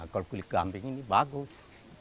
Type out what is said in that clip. kalau kulit kambing ini bagus